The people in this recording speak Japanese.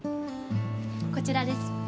こちらです。